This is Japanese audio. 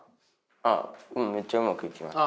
あっめっちゃうまくいきました。